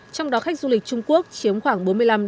trong đó khách du lịch trung quốc chiếm khoảng bốn mươi năm năm mươi